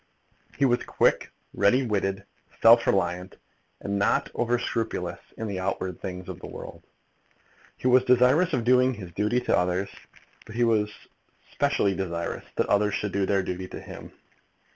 He was quick, ready witted, self reliant, and not over scrupulous in the outward things of the world. He was desirous of doing his duty to others, but he was specially desirous that others should do their duty to him.